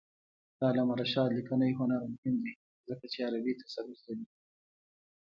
د علامه رشاد لیکنی هنر مهم دی ځکه چې عربي تسلط لري.